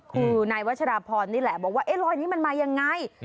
คือนายวัชราพรนี่แหละบอกว่ารอยนี้มันมายังไง